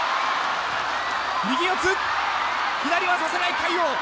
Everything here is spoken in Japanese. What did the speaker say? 右四つ、左は差せない魁皇。